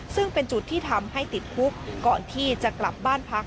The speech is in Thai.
ซึ่งเป็นจุดที่ทำให้ติดคุกก่อนที่จะกลับบ้านพัก